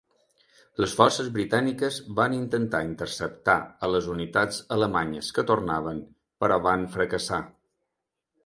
Les forces britàniques van intentar interceptar a les unitats alemanyes que tornaven, però van fracassar.